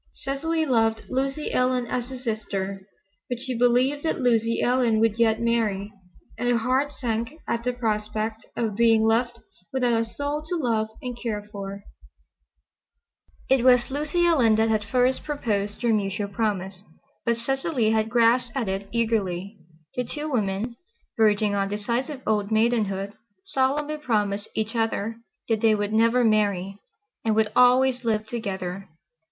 Cecily loved Lucy Ellen as a sister. But she believed that Lucy Ellen would yet marry, and her heart sank at the prospect of being left without a soul to love and care for. It was Lucy Ellen that had first proposed their mutual promise, but Cecily had grasped at it eagerly. The two women, verging on decisive old maidenhood, solemnly promised each other that they would never marry, and would always live together.